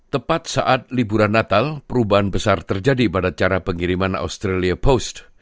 tepat saat liburan natal perubahan besar terjadi pada cara pengiriman australia post